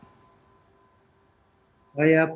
saya pikir dan saya yakin masih tetap